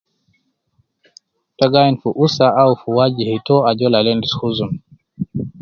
Te gainu fu usa au fi wajhi tou ajol al endis huzun.